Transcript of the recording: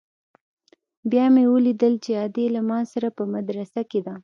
بيا مې وليدل چې ادې له ما سره په مدرسه کښې ده.